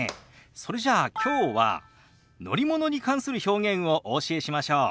それじゃあきょうは乗り物に関する表現をお教えしましょう。